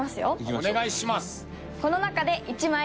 お願いします。